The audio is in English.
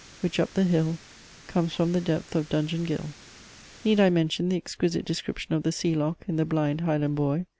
which up the hill Comes from the depth of Dungeon Ghyll." Need I mention the exquisite description of the Sea Loch in THE BLIND HIGHLAND BOY.